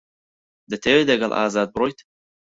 دەتەوێت لەگەڵ ئازاد بڕۆیت؟